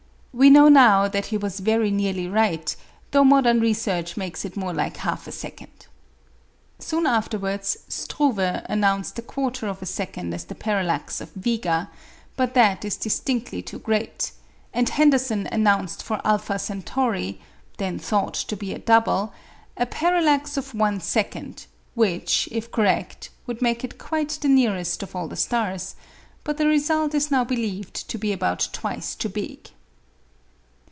We know now that he was very nearly right, though modern research makes it more like half a second. Soon afterwards, Struve announced a quarter of a second as the parallax of Vega, but that is distinctly too great; and Henderson announced for [alpha] Centauri (then thought to be a double) a parallax of one second, which, if correct, would make it quite the nearest of all the stars, but the result is now believed to be about twice too big.